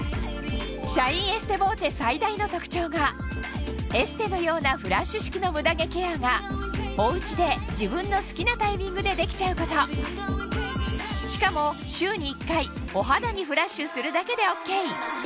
シャインエステボーテ最大の特徴がエステのようなフラッシュ式のムダ毛ケアがおうちで自分の好きなタイミングでできちゃうことしかもまず。